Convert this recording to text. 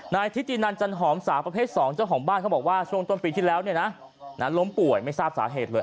ทิตินันจันหอมสาวประเภท๒เจ้าของบ้านเขาบอกว่าช่วงต้นปีที่แล้วเนี่ยนะล้มป่วยไม่ทราบสาเหตุเลย